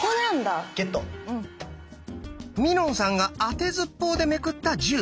みのんさんがあてずっぽうでめくった「１０」。